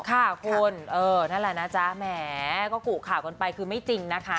ค่ะคุณเออนั่นแหละนะจ๊ะแหมก็กุข่าวกันไปคือไม่จริงนะคะ